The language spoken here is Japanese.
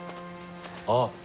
あっ。